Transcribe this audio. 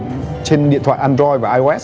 trên điện thoại android và ios